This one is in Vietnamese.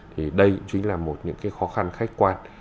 thì đây chính là một những khó khăn khách quan